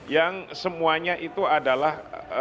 yang semuanya itu adalah